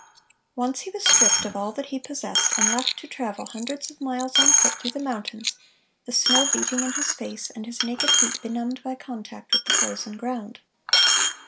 Once he was stripped of all that he possessed, and left to travel hundreds of miles on foot through the mountains, the snow beating in his face, and his naked feet benumbed by contact with the frozen ground.